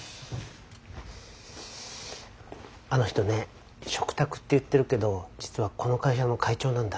あの人ね嘱託って言ってるけど実はこの会社の会長なんだ。